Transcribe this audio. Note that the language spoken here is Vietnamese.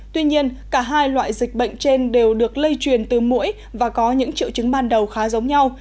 tuy nhiên cả hai loại dịch bệnh trên đều được lây truyền từ mũi và có những triệu chứng ban đầu khá giống nhau